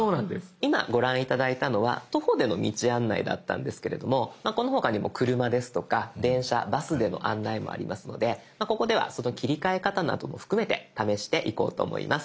今ご覧頂いたのは徒歩での道案内だったんですけれどもこの他にも車ですとか電車バスでの案内もありますのでここではその切り替え方なども含めて試していこうと思います。